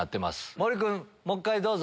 森君もう１回どうぞ。